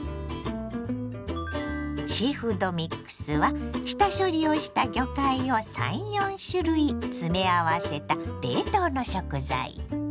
シーフードミックスは下処理をした魚介を３４種類詰め合わせた冷凍の食材。